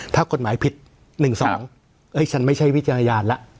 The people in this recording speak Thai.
ถ้ากฎหมายผิด๑๒ฉันไม่ใช่วิจารณญาณแล้ว